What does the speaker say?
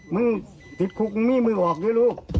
มึงติดคุกมิ่มือออกเลยลูก